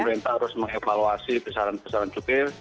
pemerintah harus mengevaluasi besaran besaran jubir